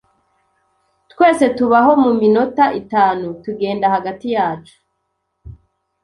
Twese tubaho muminota itanu 'tugenda hagati yacu.